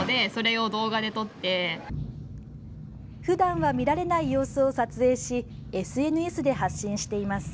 ふだんは見られない様子を撮影し、ＳＮＳで発信しています。